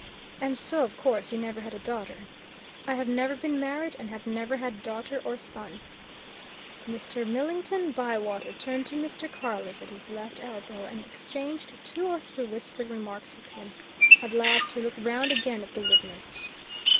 "And so, of course, you never had a daughter?" "I have never been married and have never had daughter or son!" Mr. Millington Bywater turned to Mr. Carless, at his left elbow, and exchanged two or three whispered remarks with him. At last he looked round again at the witness.